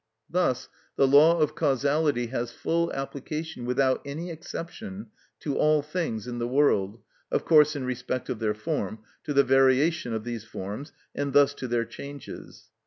Thus the law of causality has full application, without any exception, to all things in the world, of course in respect of their form, to the variation of these forms, and thus to their changes.